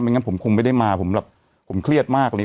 ไม่งั้นผมคงไม่ได้มาผมแบบผมเครียดมากอะไรอย่างเงี้ย